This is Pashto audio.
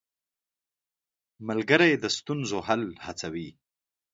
ملګری د ستونزو حل ته هڅوي.